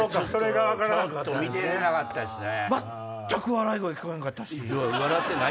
ちょっと見てられなかったですね。